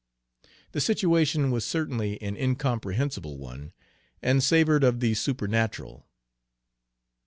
The situation was certainly an incomprehensible one, and savored of the supernatural.